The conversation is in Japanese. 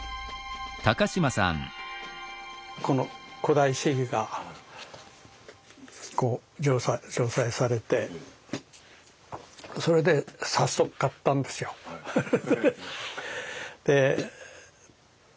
この「古代史疑」が上梓されてそれで早速買ったんですよ。